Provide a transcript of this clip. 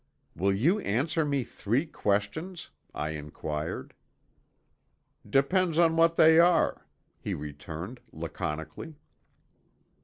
"Will you answer me three questions?" I inquired. "Depends on what they are," he returned laconically.